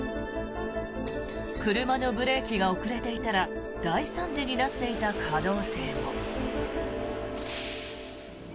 車のブレーキが遅れていたら大惨事になっていた可能性も。